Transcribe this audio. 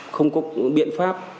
không có biện pháp